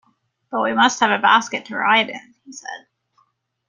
"But we must have a basket to ride in," he said.